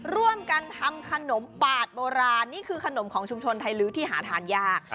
ร่วมกันทำขนมปาดโบราณนี่คือขนมของชุมชนไทยลื้อที่หาทานยาก